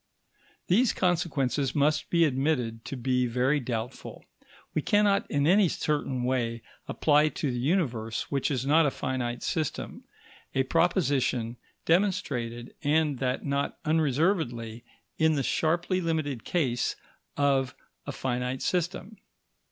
These consequences must be admitted to be very doubtful; we cannot in any certain way apply to the Universe, which is not a finite system, a proposition demonstrated, and that not unreservedly, in the sharply limited case of a finite system.